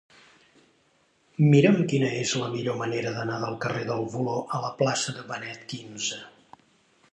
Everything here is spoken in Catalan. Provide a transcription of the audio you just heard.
Mira'm quina és la millor manera d'anar del carrer del Voló a la plaça de Benet XV.